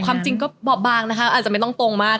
ความจริงก็บอบบางนะคะอาจจะไม่ต้องตรงมาก